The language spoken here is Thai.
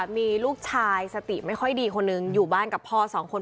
มีลูกชายสติไม่ค่อยดีคนหนึ่งอยู่บ้านกับพ่อสองคน